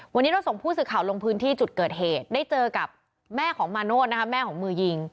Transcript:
วันนี้เราส่งผู้สื่อข่าวลงพื้นที่จุดเกิดเหตุได้เจอกับแม่ของมาโนธนะคะแม่ของมือยิง